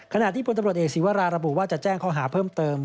ขณะที่พลตำรวจเอกศีวราระบุว่าจะแจ้งข้อหาเพิ่มเติม